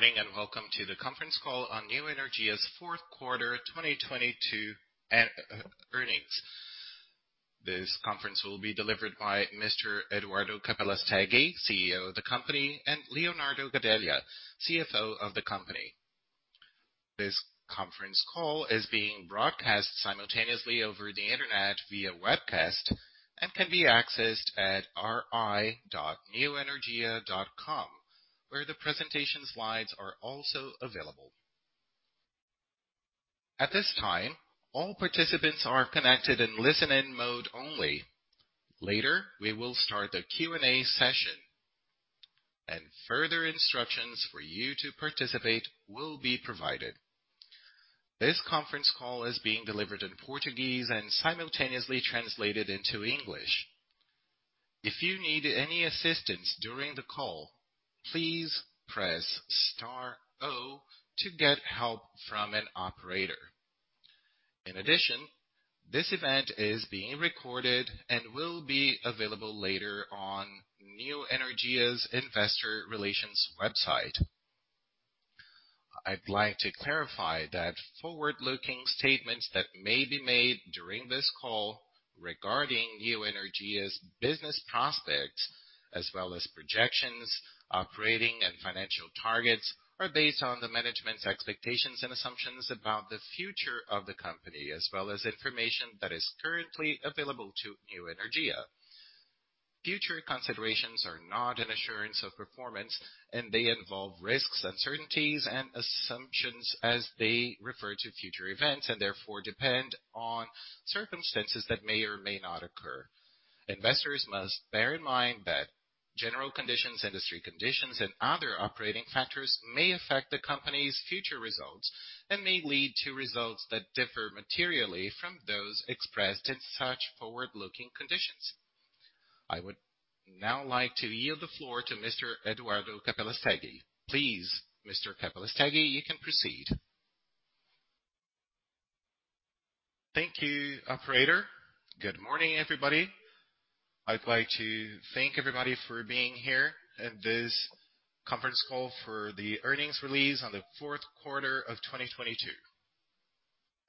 Good morning, and welcome to the conference call on Neoenergia's fourth quarter 2022 earnings. This conference will be delivered by Mr. Eduardo Capelastegui, CEO of the company, and Leonardo Gadelha, CFO of the company. This conference call is being broadcast simultaneously over the Internet via webcast and can be accessed at ri.neoenergia.com, where the presentation slides are also available. At this time, all participants are connected in listen-in mode only. Later, we will start the Q&A session, and further instructions for you to participate will be provided. This conference call is being delivered in Portuguese and simultaneously translated into English. If you need any assistance during the call, please press star zero to get help from an operator. In addition, this event is being recorded and will be available later on Neoenergia's investor relations website. I'd like to clarify that forward-looking statements that may be made during this call regarding Neoenergia's business prospects, as well as projections, operating and financial targets, are based on the management's expectations and assumptions about the future of the company, as well as information that is currently available to Neoenergia. Future considerations are not an assurance of performance, they involve risks, uncertainties and assumptions as they refer to future events, and therefore depend on circumstances that may or may not occur. Investors must bear in mind that general conditions, industry conditions and other operating factors may affect the company's future results and may lead to results that differ materially from those expressed in such forward-looking conditions. I would now like to yield the floor to Mr. Eduardo Capelastegui. Please Mr. Capelastegui, you can proceed. Thank you, operator. Good morning, everybody. I'd like to thank everybody for being here at this conference call for the earnings release on the fourth quarter of 2022.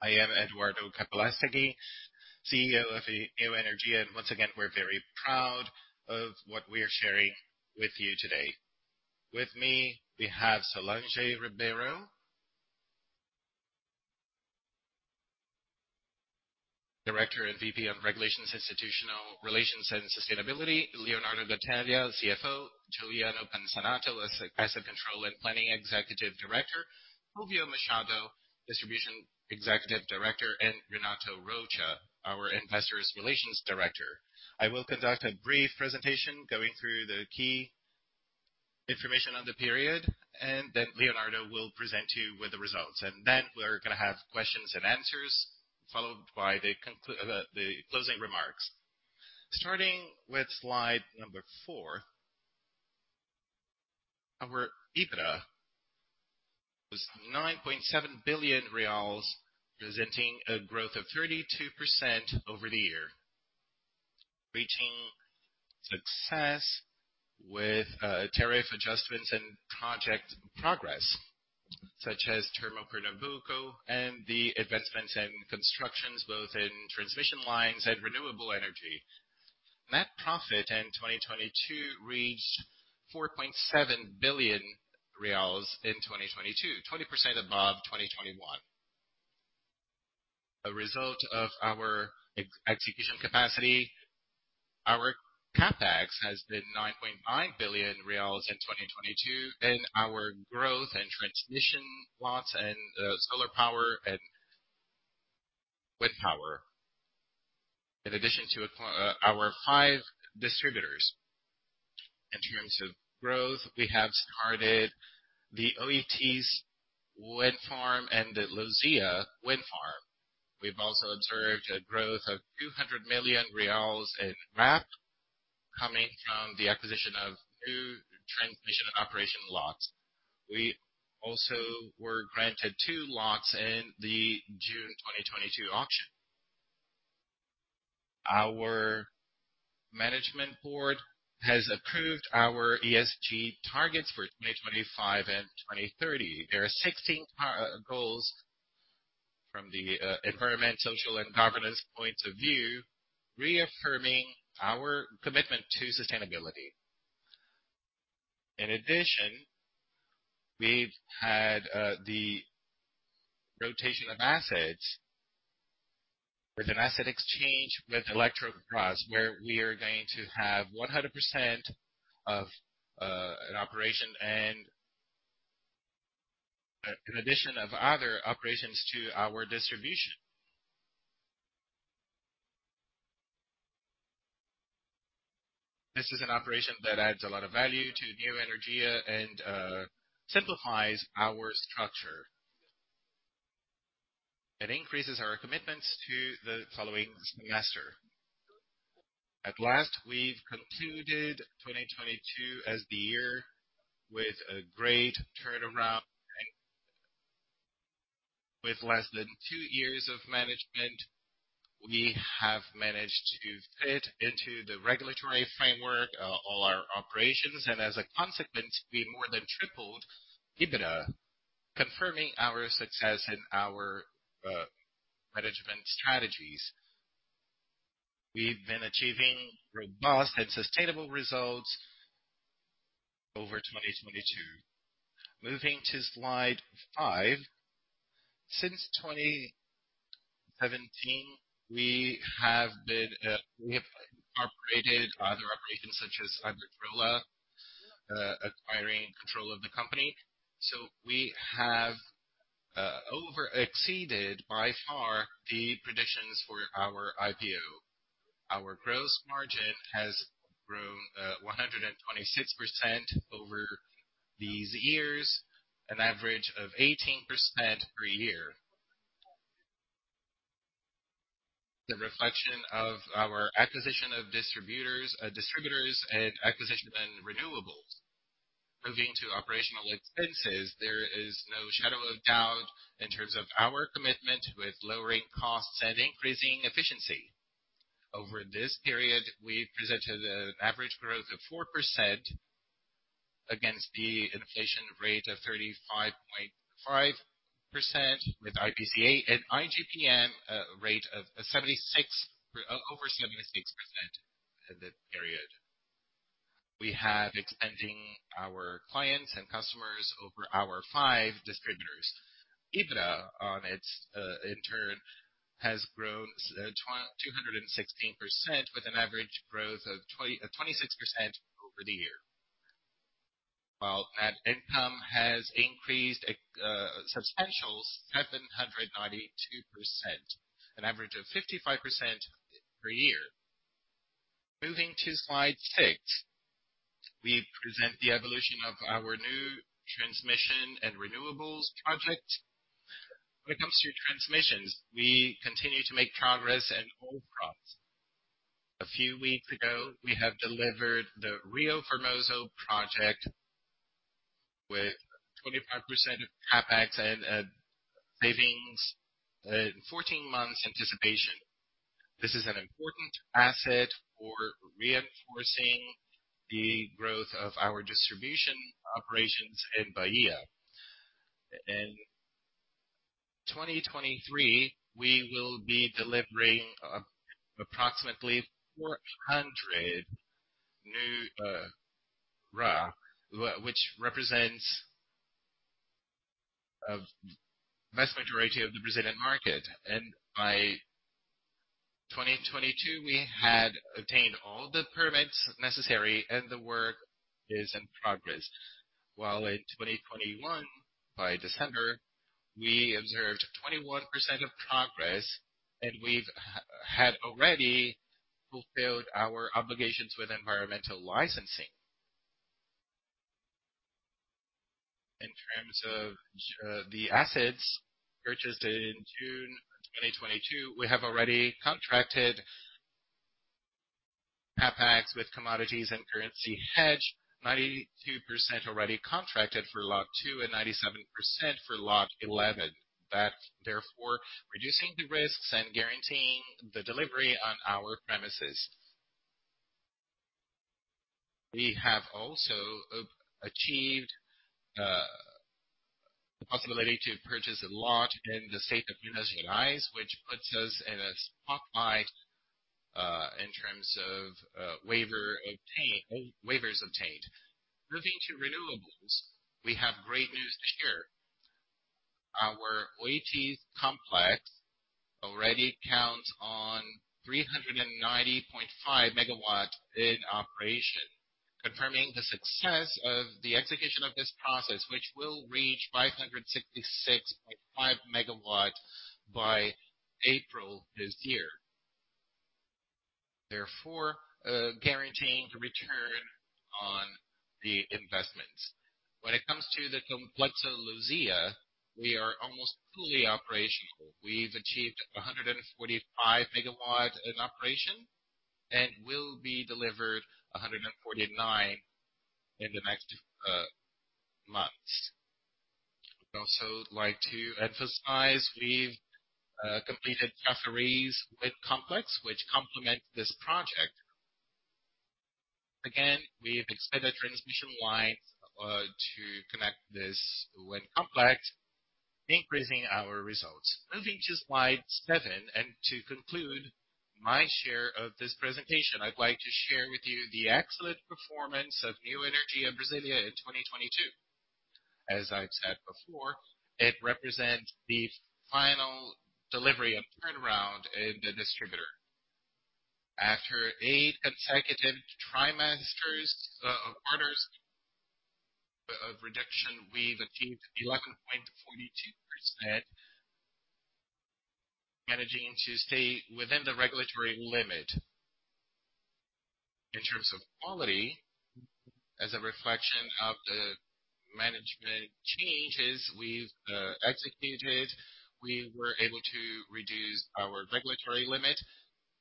I am Eduardo Capelastegui, CEO of Neoenergia. Once again, we're very proud of what we are sharing with you today. With me, we have Solange Ribeiro, Director and VP of Regulations, Institutional Relations and Sustainability, Leonardo Gadelha, CFO, Juliano de Souza, Executive Director of Asset Control & Planning, Sérgio Machado, Distribution Executive Director, and Renato Rocha, our Investors Relations Director. I will conduct a brief presentation going through the key information on the period. Then Leonardo will present you with the results. Then we're gonna have questions and answers, followed by the closing remarks. Starting with slide number four. Our EBITDA was 9.7 billion reais, presenting a growth of 32% over the year, reaching success with tariff adjustments and project progress, such as Termopernambuco and the investments and constructions both in transmission lines and renewable energy. Net profit in 2022 reached 4.7 billion reais in 2022, 20% above 2021. A result of our execution capacity, our CapEx has been 9.9 billion reais in 2022, and our growth and transmission lots and solar power and wind power, in addition to our 5 distributors. In terms of growth, we have started the Oitis wind farm and the Luzia wind farm. We've also observed a growth of 200 million reais in RAP, coming from the acquisition of new transmission operation lots. We also were granted two lots in the June 2022 auction. Our management board has approved our ESG targets for 2025 and 2030. There are 16 goals from the environment, social and governance points of view, reaffirming our commitment to sustainability. In addition, we've had the rotation of assets with an asset exchange with Elektro Redes S.A., where we are going to have 100% of an operation and an addition of other operations to our distribution. This is an operation that adds a lot of value to Neoenergia and simplifies our structure. It increases our commitments to the following semester. At last, we've concluded 2022 as the year with a great turnover. With less than two years of management, we have managed to fit into the regulatory framework, all our operations. As a consequence, we more than tripled EBITDA, confirming our success in our management strategies. We've been achieving robust and sustainable results over 2022. Moving to slide five. Since 2017, we have operated other operations such as Hidrocoroá, acquiring control of the company. We have over exceeded by far the predictions for our IPO. Our gross margin has grown 126% over these years, an average of 18% per year. The reflection of our acquisition of distributors and acquisition and renewables. Moving to Opex, there is no shadow of doubt in terms of our commitment with lowering costs and increasing efficiency. Over this period, we presented an average growth of 4% against the inflation rate of 35.5% with IPCA. IGPM rate of over 76% in the period. We have expanding our clients and customers over our five distributors. EBITDA on its in turn, has grown 216% with an average growth of 26% over the year. While net income has increased substantial 792%, an average of 55% per year. Moving to slide six, we present the evolution of our new transmission and renewables project. When it comes to transmissions, we continue to make progress in all fronts. A few weeks ago, we have delivered the Rio Formoso project with 25% CapEx and savings in 14 months anticipation. This is an important asset for reinforcing the growth of our distribution operations in Bahia. In 2023, we will be delivering approximately 400 new RA, which represents a vast majority of the Brazilian market. By 2022, we had obtained all the permits necessary, and the work is in progress. In 2021, by December, we observed 21% of progress, we've already fulfilled our obligations with environmental licensing. In terms of the assets purchased in June 2022, we have already contracted CapEx with commodities and currency hedge. 92% already contracted for lot two and 97% for lot 11. That's therefore reducing the risks and guaranteeing the delivery on our premises. We have also achieved the possibility to purchase a lot in the state of Minas Gerais, which puts us in a spotlight in terms of waivers obtained. Moving to renewables, we have great news to share. Our Oiti complex already counts on 390.5 MW in operation, confirming the success of the execution of this process, which will reach 566.5 MW by April this year. guaranteeing return on the investment. When it comes to the Complexo Luzia, we are almost fully operational. We've achieved 145 MW in operation and will be delivered 149 in the next months. We'd also like to emphasize we've completed Chafariz wind complex, which complement this project. We've expanded transmission lines to connect this wind complex, increasing our results. Moving to slide seven, to conclude my share of this presentation, I'd like to share with you the excellent performance of Neoenergia Brasília in 2022. As I've said before, it represents the final delivery of turnaround in the distributor. After eight consecutive quarters of reduction, we've achieved 11.42%, managing to stay within the regulatory limit. In terms of quality, as a reflection of the management changes we've executed, we were able to reduce our regulatory limit.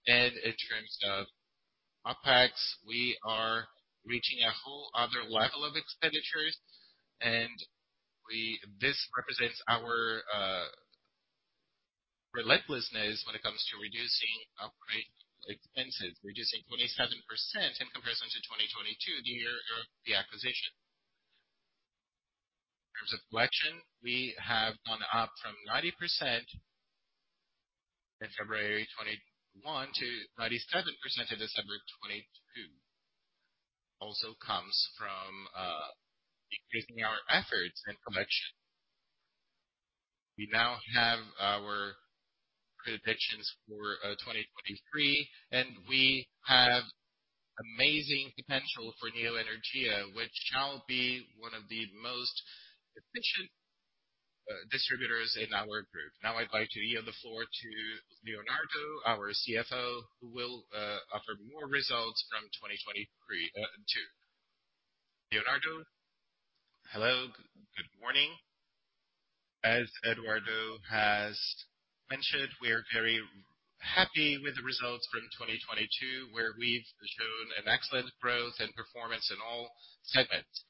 In terms of OpEx, we are reaching a whole other level of expenditures, this represents our relentlessness when it comes to reducing operating expenses, reducing 27% in comparison to 2022, the year of the acquisition. In terms of collection, we have gone up from 90% in February 2021 to 97% in December 2022. Also comes from increasing our efforts in collection. We now have our predictions for 2023, and we have amazing potential for Neoenergia, which shall be one of the most efficient distributors in our group. Now I'd like to yield the floor to Leonardo, our CFO, who will offer more results from 2023, 2022. Leonardo. Hello. Good morning. As Eduardo has mentioned, we are very happy with the results from 2022, where we've shown an excellent growth and performance in all segments.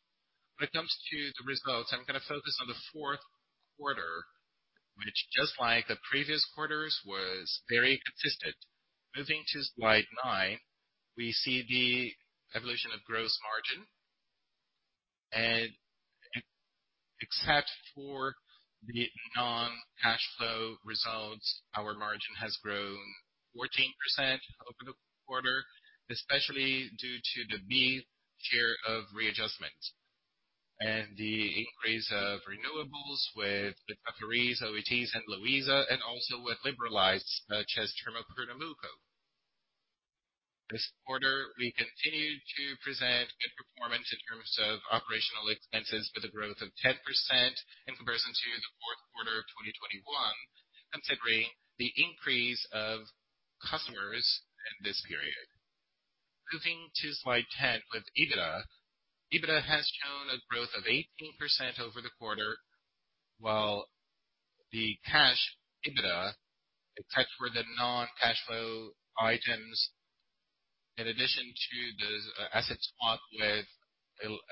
When it comes to the results, I'm gonna focus on the fourth quarter, which just like the previous quarters, was very consistent. Moving to slide nine, we see the evolution of gross margin. Except for the non-cash flow results, our margin has grown 14% over the quarter, especially due to the B share of readjustment and the increase of renewables with Cortes, Oitis, and Luzia, and also with Liberalize, such as Termopernambuco. This quarter, we continued to present good performance in terms of OpEx with a growth of 10% in comparison to the fourth quarter of 2021, considering the increase of customers in this period. Moving to slide 10 with EBITDA. EBITDA has shown a growth of 18% over the quarter, while the cash EBITDA, except for the non-cash flow items, in addition to the asset swap with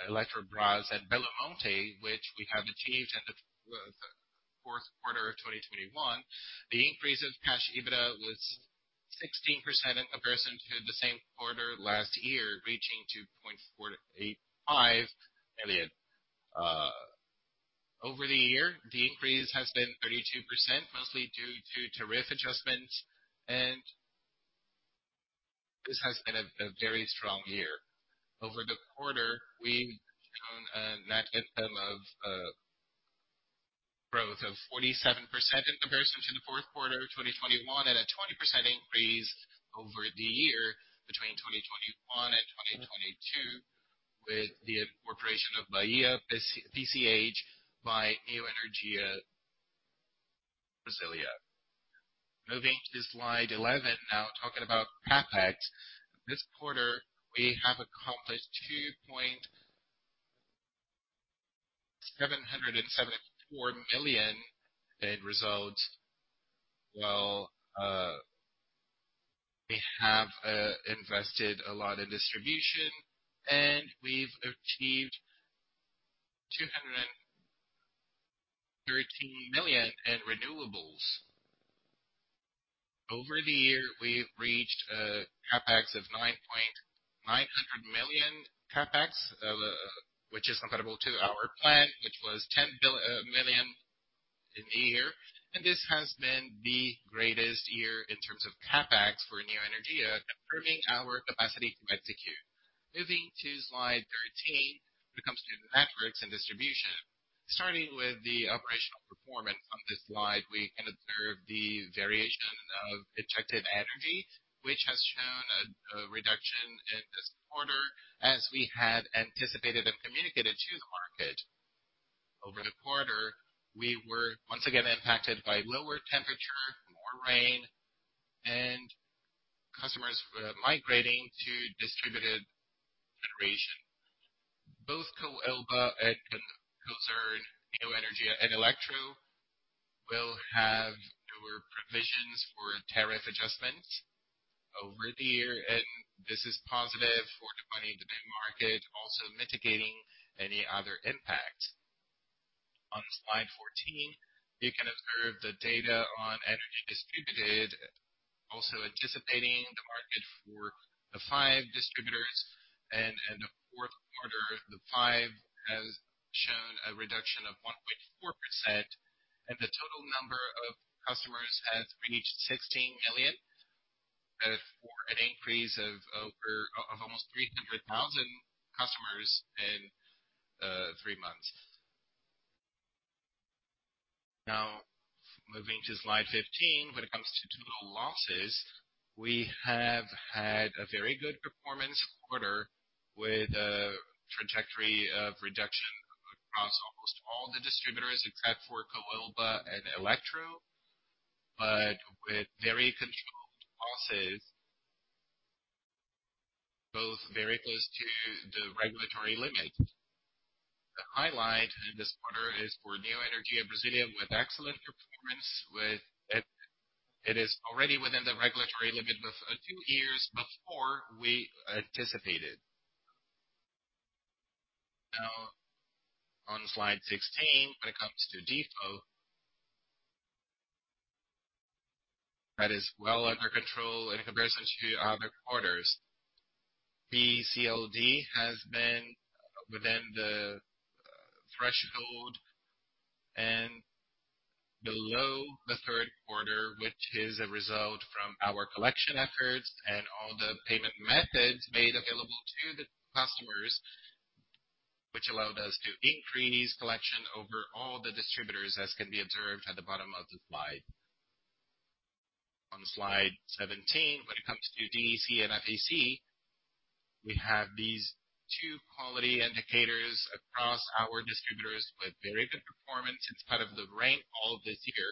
Eletrobras and Belo Monte, which we have achieved in the fourth quarter of 2021. The increase of cash EBITDA was 16% in comparison to the same quarter last year, reaching 2.485 million. Over the year, the increase has been 32%, mostly due to tariff adjustments, and this has been a very strong year. Over the quarter, we've shown a net income growth of 47% in comparison to the fourth quarter of 2021 at a 20% increase over the year between 2021 and 2022 with the incorporation of Bahia PCH by Neoenergia Brasília. Moving to slide 11, now talking about CapEx. This quarter, we have accomplished 2.774 million in results, while we have invested a lot in distribution, we've achieved 213 million in renewables. Over the year, we've reached a CapEx of 9.900 million, which is comparable to our plan, which was 10 million in the year. This has been the greatest year in terms of CapEx for Neoenergia, improving our capacity to execute. Moving to slide 13, when it comes to the networks and distribution. Starting with the operational performance on this slide, we can observe the variation of injected energy, which has shown a reduction in this quarter as we had anticipated and communicated to the market. Over the quarter, we were once again impacted by lower temperature, more rain, and customers migrating to distributed generation. Both Coelba and concerned Neoenergia and Elektro will have lower provisions for tariff adjustments over the year, and this is positive for the 2020 market, also mitigating any other impact. On slide 14, you can observe the data on energy distributed, also anticipating the market for the five distributors. In the fourth quarter, the five has shown a reduction of 1.4%, and the total number of customers has reached 16 million for an increase of almost 300,000 customers in three months. Moving to slide 15, when it comes to total losses, we have had a very good performance quarter with a trajectory of reduction across almost all the distributors, except for Coelba and Elektro, but with very controlled losses, both very close to the regulatory limit. Highlight in this quarter is for Neoenergia Brasília with excellent performance. With it is already within the regulatory limit with two years before we anticipated. Now, on slide 16, when it comes to default, that is well under control in comparison to other quarters. PCLD has been within the threshold and below the third quarter, which is a result from our collection efforts and all the payment methods made available to the customers, which allowed us to increase collection over all the distributors as can be observed at the bottom of the slide. On slide 17, when it comes to DEC and FEC, we have these two quality indicators across our distributors with very good performance. It's out of the rank all this year.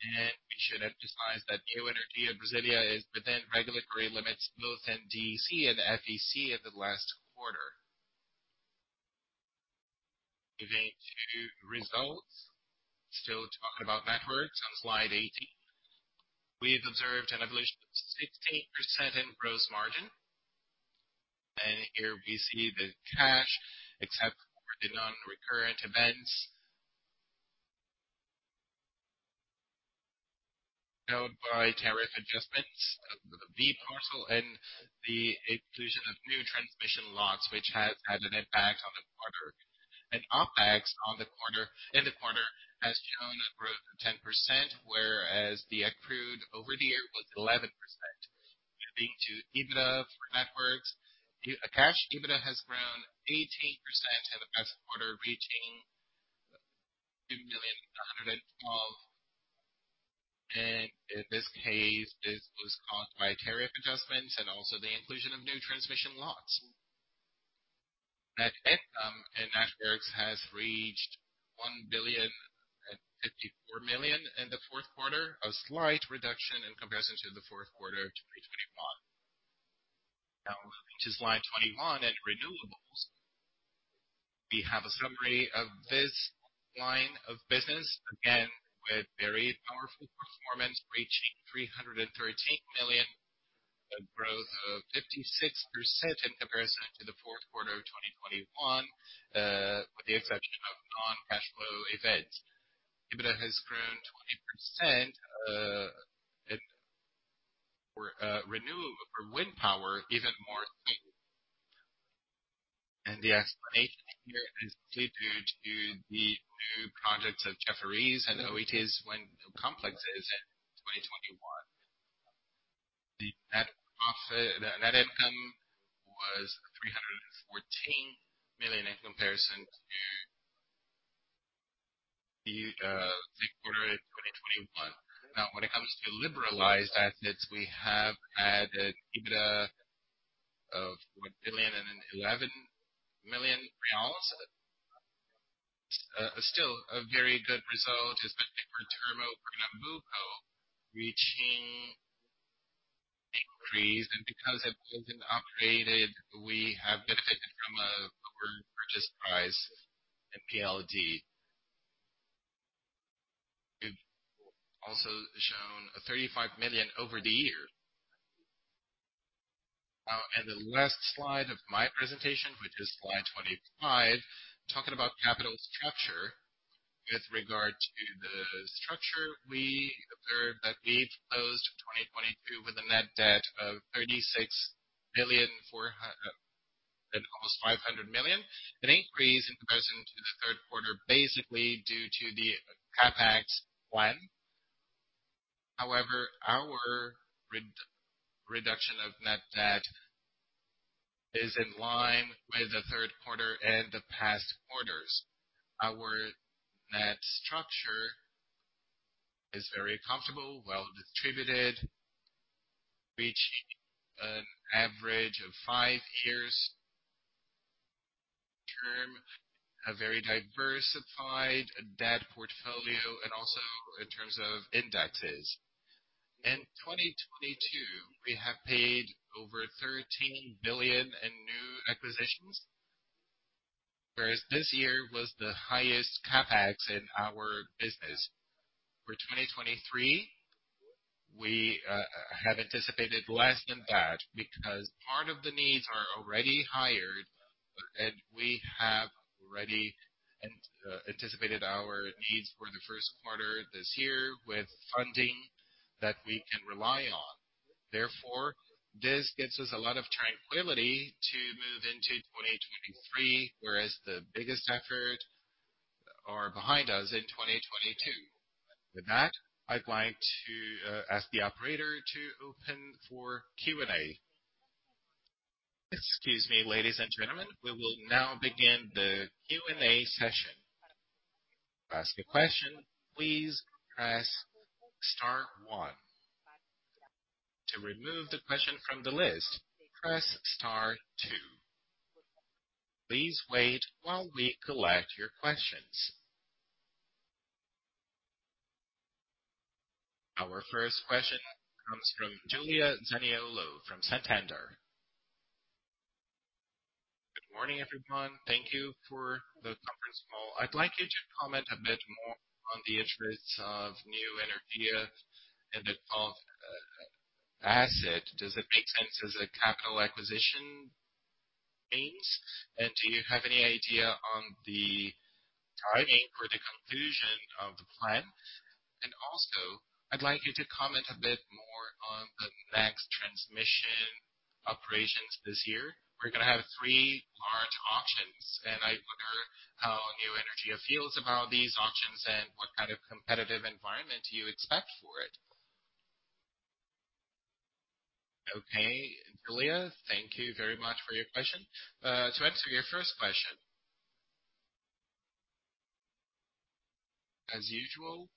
We should emphasize that Neoenergia Brasília is within regulatory limits, both in DEC and FEC in the last quarter. Moving to results. Still talking about networks on slide 18. We have observed an evolution of 68% in gross margin. Here we see the cash, except for the non-recurrent events known by tariff adjustments, the parcel, and the inclusion of new transmission lots, which has had an impact on the quarter. OpEx in the quarter has shown a growth of 10%, whereas the accrued over the year was 11%. Jumping to EBITDA for networks. The cash EBITDA has grown 18% in the past quarter, reaching 2,112 million. In this case, this was caused by tariff adjustments and also the inclusion of new transmission lots. Net income in networks has reached 1.054 billion in the fourth quarter, a slight reduction in comparison to the fourth quarter of 2021. Now, to slide 21, at renewables. We have a summary of this line of business, again, with very powerful performance, reaching 313 million, a growth of 56% in comparison to the fourth quarter of 2021, with the exception of non-cash flow events. EBITDA has grown 20% for wind power, even more so. The explanation here is due to the new projects of Chafariz and Oitis wind complexes in 2021. The net income was 314 million in comparison to the third quarter of 2021. When it comes to liberalized assets, we have had an EBITDA of BRL 1.011 billion. Still a very good result, especially for Termopernambuco, reaching increase. Because it was operated, we have benefited from a lower purchase price in PLD. We've also shown a 35 million over the year. The last slide of my presentation, which is slide 25, talking about capital structure. With regard to the structure, we observed that we've closed 2022 with a net debt of 36 billion and almost 500 million, an increase in comparison to the third quarter, basically due to the CapEx plan. However, our reduction of net debt is in line with the third quarter and the past quarters. Our net structure is very comfortable, well-distributed, reaching an average of five years term, a very diversified debt portfolio, and also in terms of indexes. In 2022, we have paid over 13 billion in new acquisitions, whereas this year was the highest CapEx in our business. For 2023, we have anticipated less than that because part of the needs are already hired, and we have already anticipated our needs for the first quarter this year with funding that we can rely on. This gives us a lot of tranquility to move into 2023, whereas the biggest effort are behind us in 2022. I'd like to ask the operator to open for Q&A. Excuse me, ladies and gentlemen. We will now begin the Q&A session. To ask a question, please press star one. To remove the question from the list, press star two. Please wait while we collect your questions. Our first question comes from Julia Zaniolo from Santander. Good morning, everyone. Thank you for the conference call. I'd like you to comment a bit more on the interest of Neoenergia and the cost, asset. Does it make sense as a capital acquisition means? Do you have any idea on the timing for the conclusion of the plan? I'd like you to comment a bit more on the next transmission operations this year. We're gonna have three large auctions, and I wonder how Neoenergia feels about these auctions and what kind of competitive environment do you expect for it? Okay. Julia, thank you very much for your question. To answer your first question. As usual,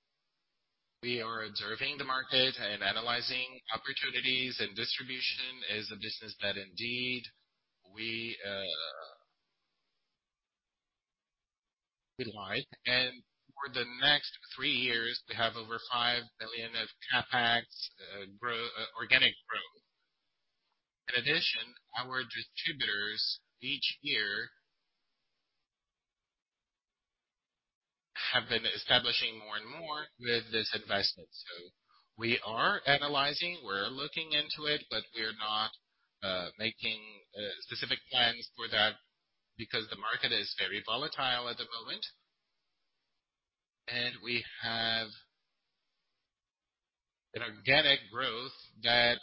we are observing the market and analyzing opportunities, and distribution is a business that indeed we like. For the next three years, we have over 5 billion of CapEx, organic growth. In addition, our distributors each year have been establishing more and more with this investment. We are analyzing, we're looking into it, but we're not making specific plans for that because the market is very volatile at the moment. We have an organic growth that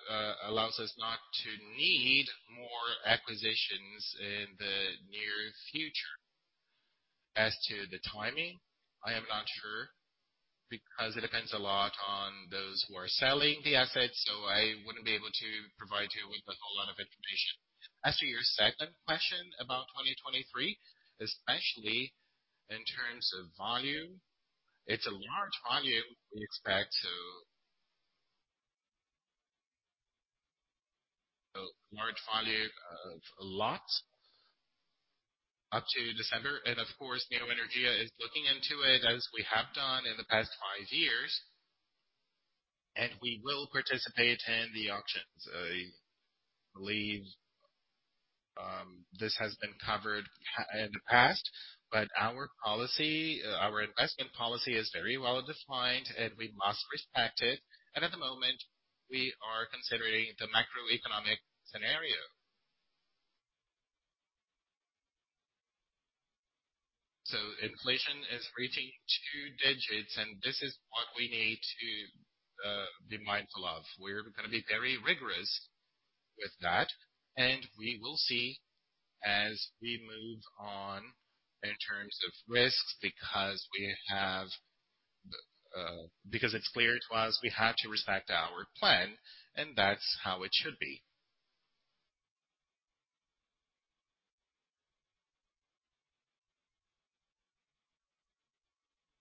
allows us not to need more acquisitions in the near future. As to the timing, I am not sure, because it depends a lot on those who are selling the assets, so I wouldn't be able to provide you with a whole lot of information. As to your second question about 2023, especially in terms of volume, it's a large volume. A large volume of lot up to December. Of course, Neoenergia is looking into it as we have done in the past five years, and we will participate in the auctions. I believe this has been covered in the past, our policy, our investment policy is very well defined, and we must respect it. At the moment, we are considering the macroeconomic scenario. Inflation is reaching two digits, and this is what we need to be mindful of. We're gonna be very rigorous with that, and we will see as we move on in terms of risks because it's clear to us we have to respect our plan, and that's how it should be.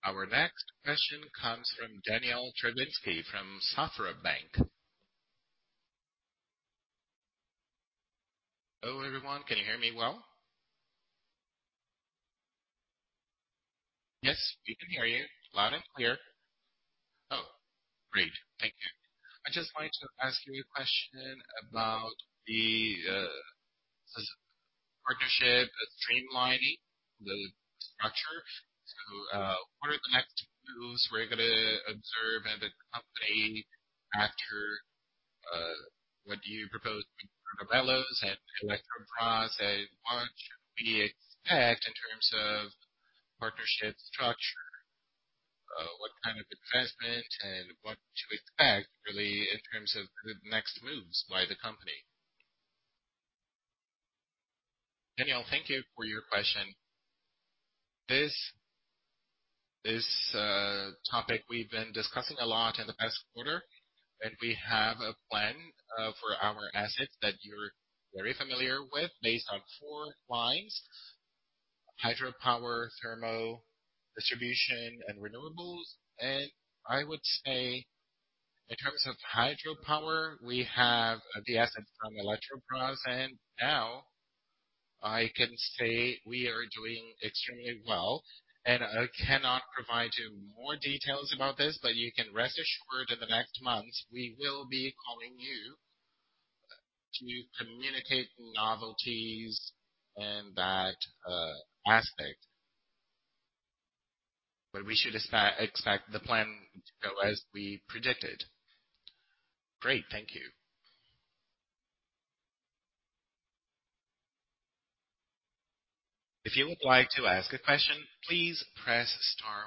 Our next question comes from Daniel Travitzky from Safra Bank. Hello, everyone. Can you hear me well? Yes, we can hear you loud and clear. Great. Thank you. I just wanted to ask you a question about the partnership streamlining the structure. What are the next tools we're gonna observe at the company after what do you propose in terms of the next moves by the company? Daniel, thank you for your question. This topic we've been discussing a lot in the past quarter, we have a plan for our assets that you're very familiar with based on four lines: hydropower, thermal, distribution, and renewables. I would say, in terms of hydropower, we have the asset from Eletrobras, now I can say we are doing extremely well. I cannot provide you more details about this, you can rest assured in the next month we will be calling you to communicate novelties in that aspect. We should expect the plan to go as we predicted. Great. Thank you. If you would like to ask a question, please press star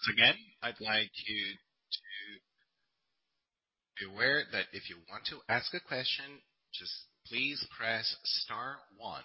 one. Once again, I'd like you to be aware that if you want to ask a question, just please press star one.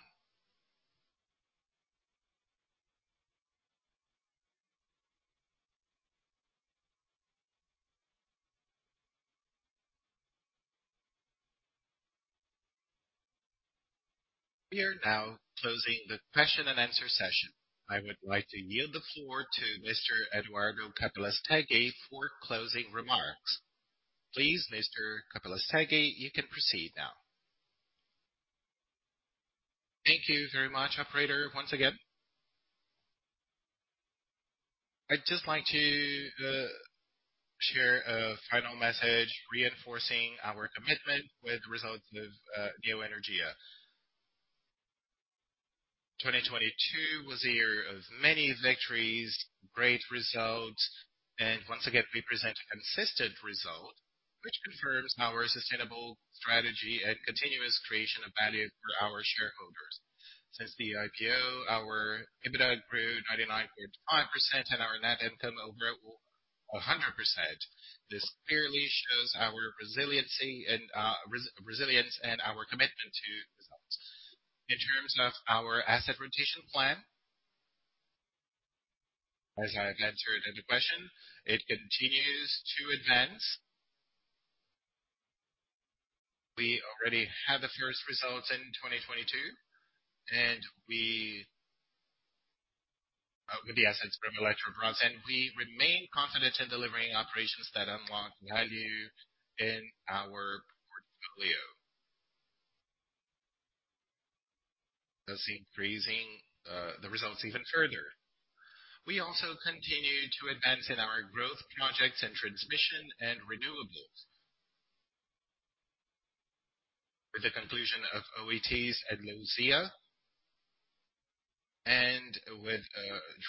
We are now closing the question and answer session. I would like to yield the floor to Mr. Eduardo Capelastegui for closing remarks. Please, Mr. Capelastegui, you can proceed now. Thank you very much, operator, once again. I'd just like to share a final message reinforcing our commitment with results with Neoenergia. 2022 was a year of many victories, great results. Once again, we present a consistent result which confirms our sustainable strategy and continuous creation of value for our shareholders. Since the IPO, our EBITDA grew 99.5%. Our net income over 100%. This clearly shows our resiliency and resilience and our commitment to results. In terms of our asset rotation plan, as I've answered in the question, it continues to advance. We already had the first results in 2022. We with the assets from Eletrobras, and we remain confident in delivering operations that unlock value in our portfolio. Thus increasing the results even further. We also continue to advance in our growth projects and transmission and renewables. With the conclusion of Oitis at Luzia and with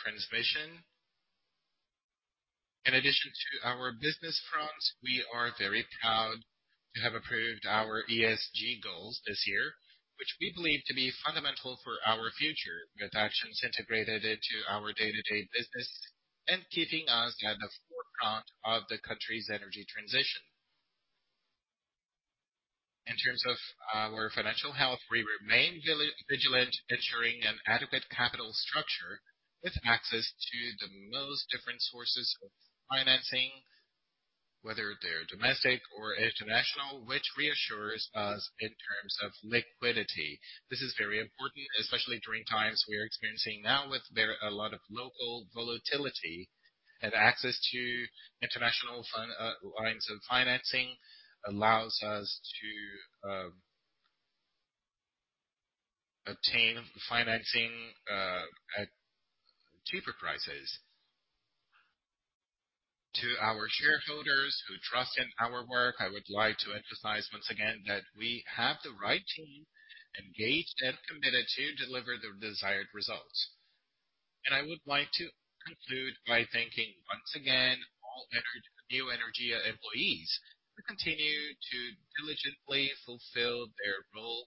transmission. Our business fronts, we are very proud to have approved our ESG goals this year, which we believe to be fundamental for our future with actions integrated into our day-to-day business and keeping us at the forefront of the country's energy transition. In terms of our financial health, we remain vigilant, ensuring an adequate capital structure with access to the most different sources of financing, whether they're domestic or international, which reassures us in terms of liquidity. This is very important, especially during times we are experiencing now with a lot of local volatility. Access to international lines of financing allows us to obtain financing at cheaper prices. To our shareholders who trust in our work, I would like to emphasize once again that we have the right team engaged and committed to deliver the desired results. I would like to conclude by thanking once again all Neoenergia employees who continue to diligently fulfill their role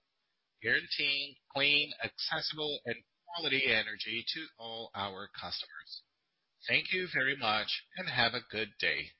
guaranteeing clean, accessible, and quality energy to all our customers. Thank you very much and have a good day.